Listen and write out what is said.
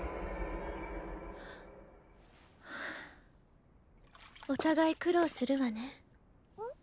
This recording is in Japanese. はあっお互い苦労するわねうん？